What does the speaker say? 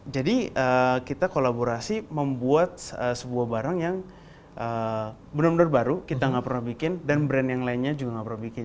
jadi kita kolaborasi membuat sebuah barang yang benar benar baru kita nggak pernah bikin dan brand yang lainnya juga nggak pernah bikin